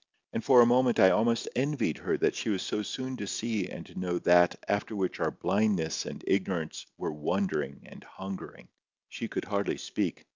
And for a moment I almost envied her that she was so soon to see and know that after which our blindness and ignorance were wondering and hungering. She could hardly speak.